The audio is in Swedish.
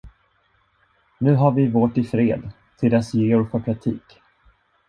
Nu ha vi vårt i fred, till dess Georg får praktik.